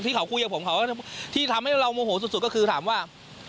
ที่เขาคุยกับผมเขาที่ทำให้เราโมโหสุดก็คือถามว่า